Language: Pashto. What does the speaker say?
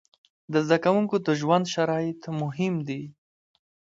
د زده کوونکو د ژوند شرایط مهم دي.